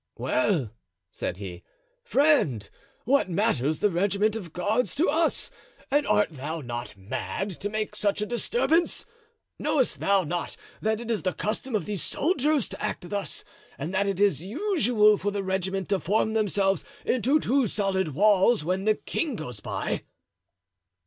"Well," said he, "friend, what matters the regiment of guards to us, and art thou not mad to make such a disturbance? Knowest thou not that it is the custom of these soldiers to act thus and that it is usual for the regiment to form themselves into two solid walls when the king goes by?"